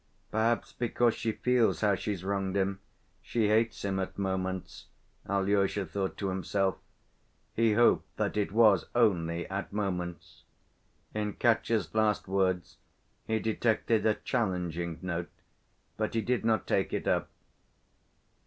"Perhaps because she feels how she's wronged him she hates him at moments," Alyosha thought to himself. He hoped that it was only "at moments." In Katya's last words he detected a challenging note, but he did not take it up.